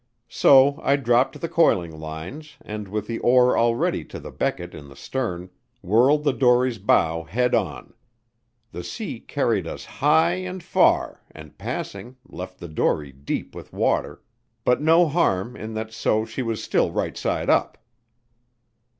So I dropped the coiling lines and, with the oar already to the becket in the stern, whirled the dory's bow head on. The sea carried us high and far and, passing, left the dory deep with water, but no harm in that so she was still right side up.